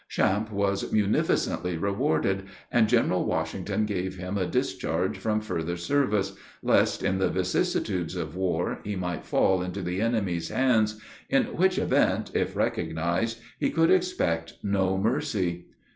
Champe was munificently rewarded, and General Washington gave him a discharge from further service, lest, in the vicissitudes of war, he might fall into the enemy's hands, in which event, if recognized, he could expect no mercy.